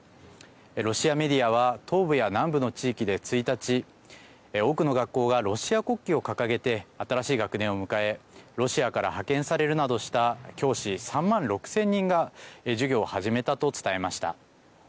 ロシアメディアは東部や南部の地域で１日多くの学校がロシア国旗を掲げて新しい学年を迎えロシアから派遣されるなどした教師３万６０００人が授業を始めたと伝えました。